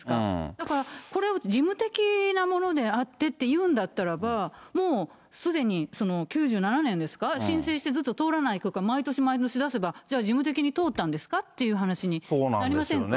だから、これを事務的なものであってっていうんであったならば、もう、すでに、９７年ですか、申請してずっと通らないとか、毎年毎年出せば、じゃあ、事務的に通ったんですかっていう話になりませんか？